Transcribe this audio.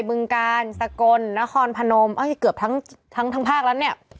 บึงกาลสกลนครพนมเกือบทั้งทั้งภาคแล้วเนี่ย